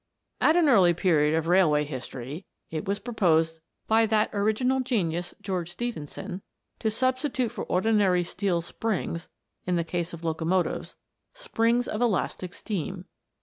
" At an early period of railway history, it was pro posed by that original genius George Stephenson to substitute for ordinary steel springs, in the case of locomotives, springs of elastic steam.